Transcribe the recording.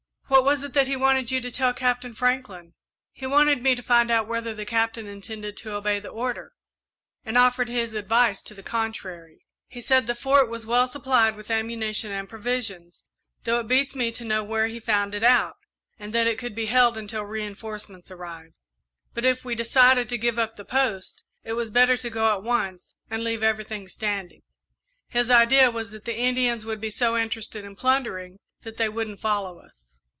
"What was it that he wanted you to tell Captain Franklin?" "He wanted me to find out whether the Captain intended to obey the order, and offered his advice to the contrary. He said the Fort was well supplied with ammunition and provisions though it beats me to know where he found it out and that it could be held until reinforcements arrived; but, if we decided to give up the post, it was better to go at once and leave everything standing. His idea was that the Indians would be so interested in plundering that they wouldn't follow us."